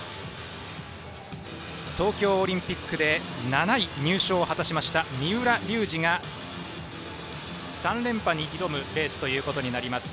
東京オリンピックで７位入賞を果たした三浦龍司が３連覇に挑むレースとなります。